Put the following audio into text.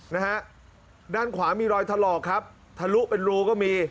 นะฮะด้านขวามีรอยถลอกครับทะลุเป็นรูก็มี